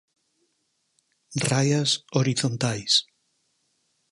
Raias horizontais.